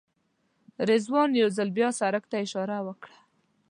رضوان یو ځل بیا سړک ته اشاره وکړه.